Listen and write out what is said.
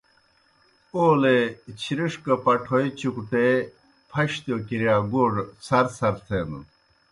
اولوْے چِھرِݜ گہ پٹھوئے چُکٹے پھشتِیؤ کِرِیا گوڙہ څَھرڅَھر تھینَن۔